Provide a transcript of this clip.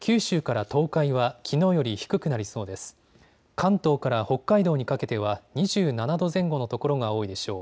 関東から北海道にかけては２７度前後の所が多いでしょう。